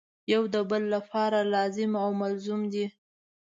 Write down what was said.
یو د بل لپاره لازم او ملزوم دي.